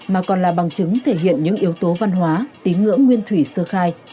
mà còn là bằng chứng thể hiện những yếu tố văn hóa tín ngưỡng nguyên thủy sơ khai